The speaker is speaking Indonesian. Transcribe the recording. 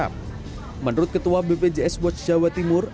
yang menukar merupakan ketua bpjs wajh jawa timur